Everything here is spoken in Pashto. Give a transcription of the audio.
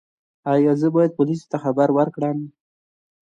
ایا زه باید پولیسو ته خبر ورکړم؟